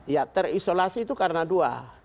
ya terisolasi itu karena dua